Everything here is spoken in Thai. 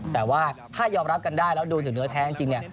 แต่ว่าถ้ายอมรับกันได้แล้วดูจากเนื้อแท้จริงเนี่ย